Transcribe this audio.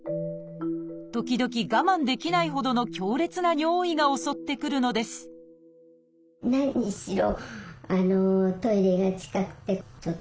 時々我慢できないほどの強烈な尿意が襲ってくるのです何しろ